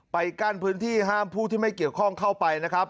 กั้นพื้นที่ห้ามผู้ที่ไม่เกี่ยวข้องเข้าไปนะครับ